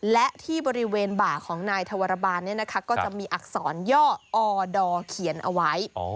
และที่บริเวณบ่าของนายธวรบาลก็จะมีอักษรย่ออดอเขียนเอาไว้